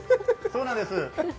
そうなんです。